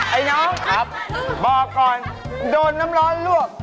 ไอ้น้องครับบอกก่อนโดนน้ำร้อนลวก